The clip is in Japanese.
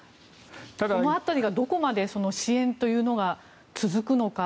その辺り、どこまで支援というのは続くのか。